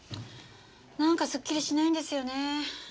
なんかすっきりしないんですよね。